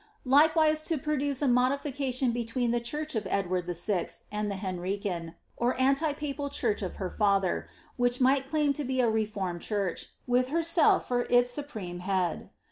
Likewise to produce a modification between the church of Edward VI. and the Henrican, or anti papal church of her father, which might claim to be a xeformed church, with herself for its supreme head.